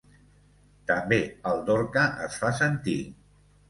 També el Dorca es fa sentir.